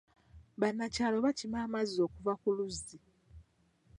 Bannakyalo bakima amazzi okuva ku luzzi.